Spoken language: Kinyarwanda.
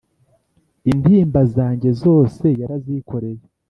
Intimba zanjye zose yarazikoreye